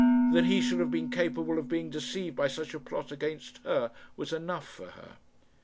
That he should have been capable of being deceived by such a plot against her was enough for her.